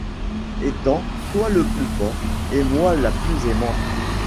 Étant, toi le plus fort et moi la plus aimante.